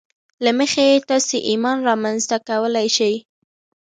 له مخې یې تاسې ایمان رامنځته کولای شئ